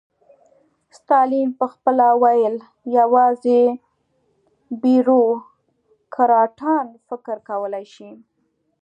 ستالین به خپله ویل یوازې بیروکراټان فکر کولای شي.